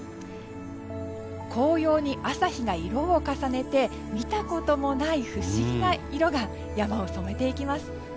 紅葉に朝日が色を重ねて見たこともない不思議な色が山を染めていきます。